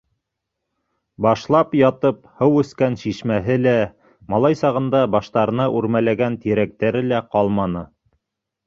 Башлап ятып һыу эскән шишмәһе лә, малай сағында баштарына үрмәләгән тирәктәре лә ҡалманы.